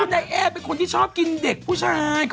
ก็คุณอายแอดเป็นคนที่ชอบกินเด็กผู้ชาย